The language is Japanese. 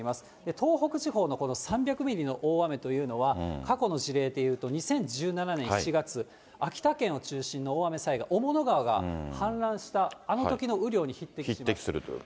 東北地方の、この３００ミリの大雨というのは、過去の事例でいうと２０１７年７月、秋田県を中心の大雨災害、雄物川が氾濫した、あのときの雨量に匹敵する。